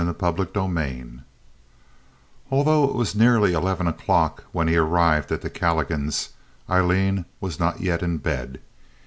Chapter XLVII Although it was nearly eleven o'clock when he arrived at the Calligans', Aileen was not yet in bed.